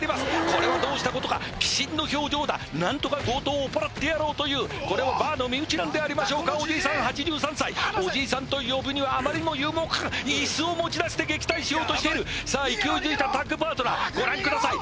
これはどうしたことか鬼神の表情だ何とか強盗を追っ払ってやろうというバーの身内なんでありましょうかおじいさん８３歳おじいさんと呼ぶにはあまりにも勇猛果敢イスを持ち出して撃退しようとしているさあ勢いづいたタッグパートナーご覧ください